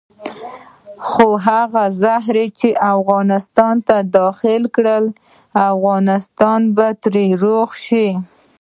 خو هغه زهر چې افغانستان ته داخل کړل افغانستان به ترې روغ شي.